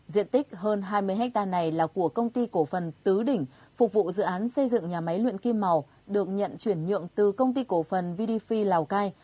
diện tích hơn hai mươi hectare này là của công ty cổ phần tứ đỉnh phục vụ dự án xây dựng nhà máy luyện kim màu được nhận chuyển nhượng từ công ty cổ phần vdf lào cai